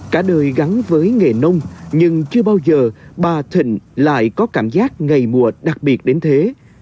cả đời gắn với nghề nông nhưng chưa bao giờ bà thịnh lại có cảm giác ngày mùa đặc biệt đến thế